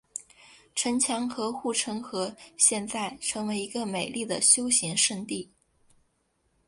城墙和护城河现在成为一个美丽的休闲胜地。